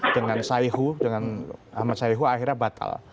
dengan sayhu dengan ahmad sayhu akhirnya batas